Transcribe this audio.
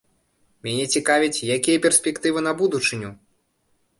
Мяне цікавіць, якія перспектывы на будучыню!